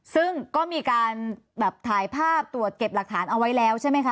ซึ่งก็มีการแบบถ่ายภาพตรวจเก็บหลักฐานเอาไว้แล้วใช่ไหมคะ